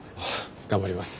頑張ります。